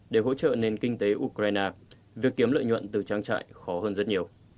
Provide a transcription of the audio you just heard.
để hỗ trợ nền kinh tế ukraine việc kiếm lợi nhuận từ trang trại khó hơn rất nhiều